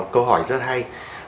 câu hỏi rất hay